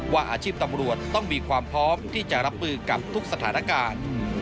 ว่าอาชีพตำรวจต้องมีความพร้อมที่จะรับมือกับทุกสถานการณ์